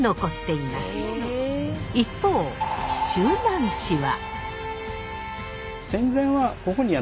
一方周南市は。